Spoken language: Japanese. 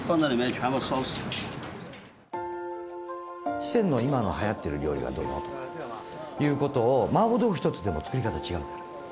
「四川の今のはやってる料理はどういうの？」とかいうことをマーボー豆腐一つでもつくり方違うんだから。